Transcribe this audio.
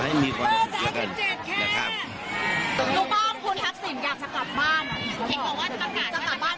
ขอให้มีความสุขด้วยกัน